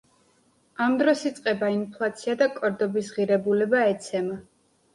ამ დროს იწყება ინფლაცია და კორდობის ღირებულება ეცემა.